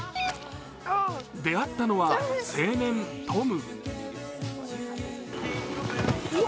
出会ったのは青年・トム。